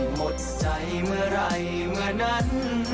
หมดใจเมื่อไหร่เมื่อนั้น